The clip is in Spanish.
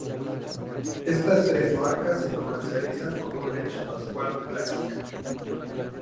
Estas tres marcas se comercializan como Leche Pascual Clásica.